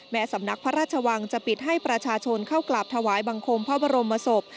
สำนักพระราชวังจะปิดให้ประชาชนเข้ากราบถวายบังคมพระบรมศพ